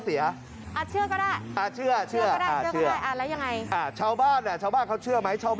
ถ้าเชื่อกดหนึ่งไม่เชื่อกดสอง